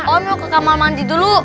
oh mau ke kamar mandi dulu